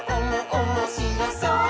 おもしろそう！」